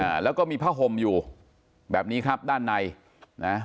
อ่าแล้วก็มีผ้าห่มอยู่แบบนี้ครับด้านในนะ